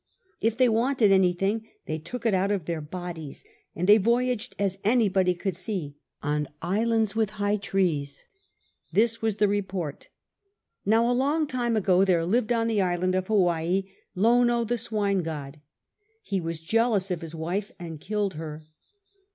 If they wanted anything they took it out of their bodies ; and they voyaged, as any body could see, on islands with high trees. This was the report. . Now, a long time ago, there lived, on the island of Hawaii, Lono the swine god. He was jealous of his wife and killed her.